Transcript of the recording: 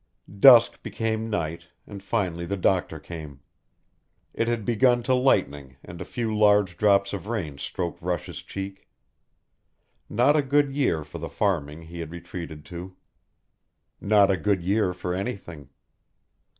_ Dusk became night and finally the doctor came. It had begun to lightning and a few large drops of rain stroked Rush's cheek. Not a good year for the farming he had retreated to. Not a good year for anything.